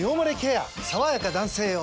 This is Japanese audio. さわやか男性用」